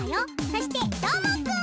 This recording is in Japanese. そしてどーもくん！